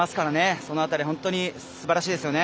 その辺り本当にすばらしいですよね。